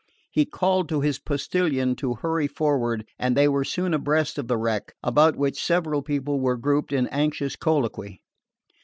He called to his postillion to hurry forward, and they were soon abreast of the wreck, about which several people were grouped in anxious colloquy.